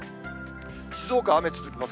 静岡雨続きます。